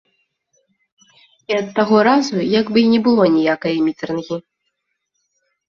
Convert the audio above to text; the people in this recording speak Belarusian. І ад таго разу, як бы і не было ніякае мітрэнгі.